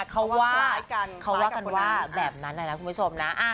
เขาว่าเขาว่ากันว่าแบบนั้นนะคุณผู้ชมนะ